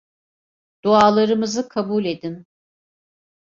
Dualarımızı kabul edin.